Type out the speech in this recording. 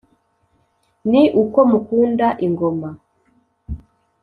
Ni uko mukunda ingoma